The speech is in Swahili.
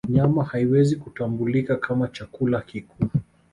Nyama haiwezi kutambulika kama chakula kikuu